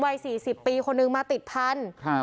วัย๔๐ปีคนนึงมาติดพันธุ์